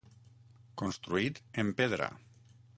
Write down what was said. Construït en pedra.